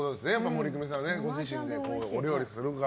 モリクミさんがご自身でお料理をするから。